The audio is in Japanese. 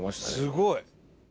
すごい。